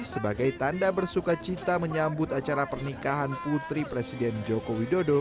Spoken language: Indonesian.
sebagai tanda bersuka cita menyambut acara pernikahan putri presiden joko widodo